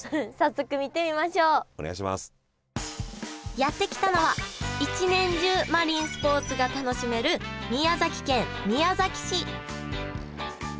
やって来たのは一年中マリンスポーツが楽しめる宮崎県宮崎市